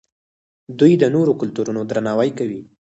دوی د نورو کلتورونو درناوی کوي.